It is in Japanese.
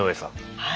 はい。